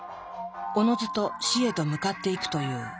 おのずと死へと向かっていくという。